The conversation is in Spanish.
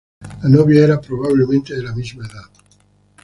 La novia era probablemente de la misma edad.